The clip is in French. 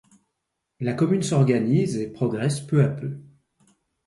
La commune s'organise et progresse peu à peu.